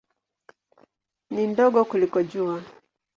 Ni ndogo kuliko Jua.